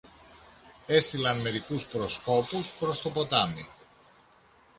Έστειλαν μερικούς προσκόπους προς το ποτάμι